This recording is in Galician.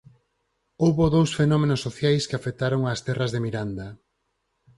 Houbo dous fenómenos sociais que afectaron ás terras de Miranda.